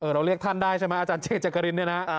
เราเรียกท่านได้ใช่ไหมอาจารย์เจจักรินเนี่ยนะ